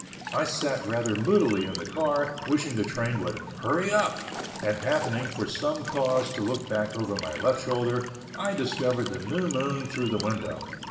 I sat rather moodily in the car, wishing the train would "hurry up"; and happening for some cause to look back over my left shoulder, I discovered the new moon through the window.